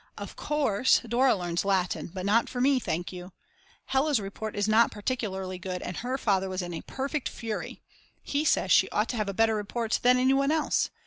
Of course Dora learns Latin; but not for me thank you. Hella's report is not particularly good and her father was in a perfect fury!!! He says she ought to have a better report than any one else.